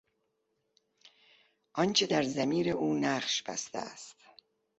آنچه در ضمیر او نقش بسته است.